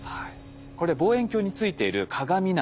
これ望遠鏡についている鏡なんですよ。